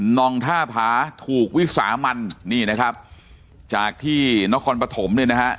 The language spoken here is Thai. นองท่าผาถูกวิสามันนี่นะครับจากที่นครปฐมเนี่ยนะฮะ